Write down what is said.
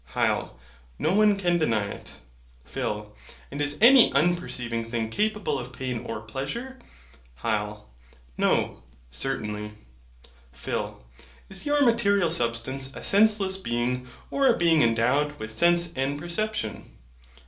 HYL. No one can deny it. PHIL. And is any unperceiving thing capable of pain or pleasure? HYL. No, certainly. PHIL. Is your material substance a senseless being, or a being endowed with sense and perception?